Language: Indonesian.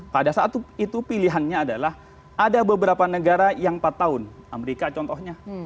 pada saat itu pilihannya adalah ada beberapa negara yang empat tahun amerika contohnya